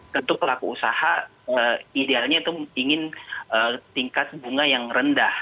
tentu pelaku usaha idealnya itu ingin tingkat bunga yang rendah